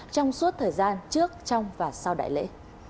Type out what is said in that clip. trong suốt thời gian trước trong và sau đại lễ